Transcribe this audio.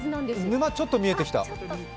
沼、ちょっと見えてきた。